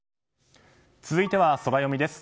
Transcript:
続いてはソラよみです。